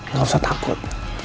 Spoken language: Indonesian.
gak usah takut